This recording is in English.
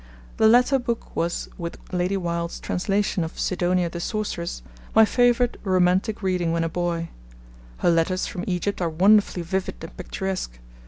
The latter book was, with Lady Wilde's translation of Sidonia the Sorceress, my favourite romantic reading when a boy. Her letters from Egypt are wonderfully vivid and picturesque.